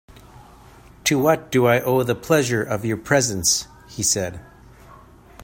"To what do I owe the pleasure of your presence," he said.